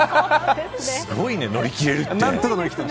すごいね、乗り切れるって。